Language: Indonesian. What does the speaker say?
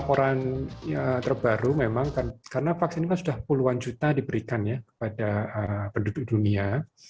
orang terbaru memang karena vaksin ini sudah puluhan juta diberikan kepada penduduk dunia